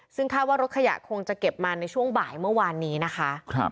ซึ่งคาดว่ารถขยะคงจะเก็บมาในช่วงบ่ายเมื่อวานนี้นะคะ